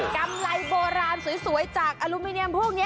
กำไรโบราณสวยจากอลูมิเนียมพวกนี้